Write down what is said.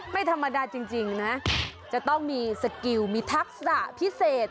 ไม่ธรรมดาจริงนะจะต้องมีสกิลมีทักษะพิเศษ